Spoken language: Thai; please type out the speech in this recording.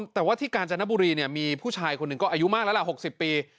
แต่ว่าที่กาญจนบุรีมีผู้ชายคนหนึ่งก็อายุมากแล้วล่ะ๖๐ปี